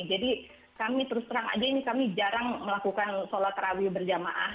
jadi kami terus terang aja ini kami jarang melakukan solat terawih berjamaah